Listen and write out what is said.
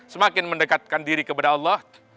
semakin mendekatkan diri kepada allah